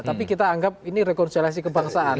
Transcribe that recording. tapi kita anggap ini rekonsiliasi kebangsaan